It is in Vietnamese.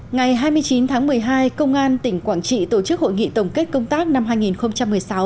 ngày hai mươi chín tháng một mươi hai công an tỉnh quảng trị tổ chức hội nghị tổng kết công tác năm hai nghìn một mươi sáu